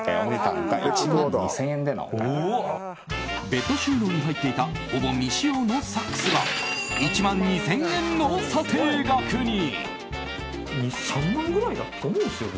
ベッド収納に入っていたほぼ未使用のサックスが１万２０００円の査定額に。